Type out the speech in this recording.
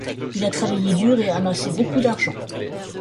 Il a travaillé dur et a amassé beaucoup d'argent.